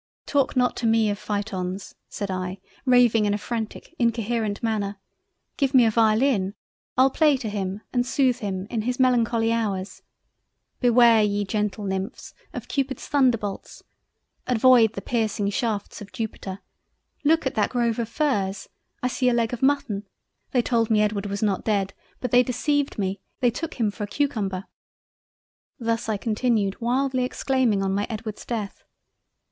"Talk not to me of Phaetons (said I, raving in a frantic, incoherent manner)—Give me a violin—. I'll play to him and sooth him in his melancholy Hours—Beware ye gentle Nymphs of Cupid's Thunderbolts, avoid the piercing shafts of Jupiter—Look at that grove of Firs—I see a Leg of Mutton—They told me Edward was not Dead; but they deceived me—they took him for a cucumber—" Thus I continued wildly exclaiming on my Edward's Death—.